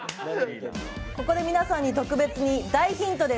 ここで皆さんに特別に大ヒントです。